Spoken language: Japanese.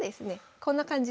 こんな感じで。